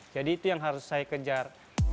jadi itu yang harus saya kejar